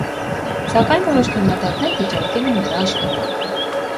Սակայն որոշ քննադատներ վիճարկել են նրա աշխատանքը։